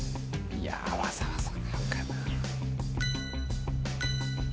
いやわざわざ買うかな？